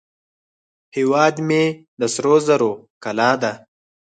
هیواد مې د سرو زرو کلاه ده